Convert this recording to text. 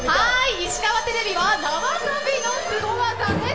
石川テレビは縄跳びのスゴ技です。